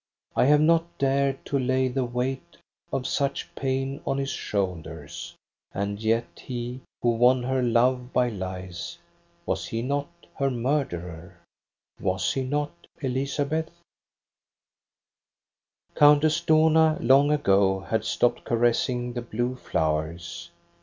I have not dared to lay the weight of such pain on his shoulders. And yet he, who won her love by lies, was he not her miurderer? Was he not, Elizabeth 1 " Countess Dohna long ago had stopped caressing the blue flowers.